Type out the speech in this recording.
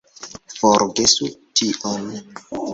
Forgesu tion!